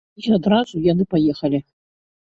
І адразу яны паехалі.